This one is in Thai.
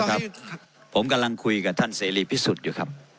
ครับผมกำลังคุยกับท่านเสรีพิสุทธิ์อยู่ครับ